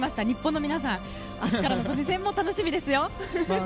日本の皆さん明日からの個人戦も楽しみですよ。